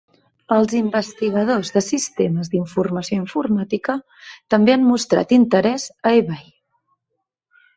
Els investigadors de sistemes d'informació informàtica també han mostrat interès a eBay.